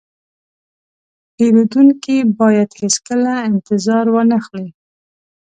پیرودونکی باید هیڅکله انتظار وانهخلي.